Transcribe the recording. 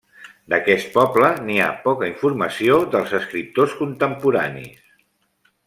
D'aquest poble n'hi ha poca informació dels escriptors contemporanis.